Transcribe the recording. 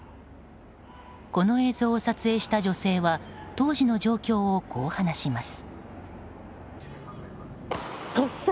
この映像を撮影した女性は当時の状況をこう話します。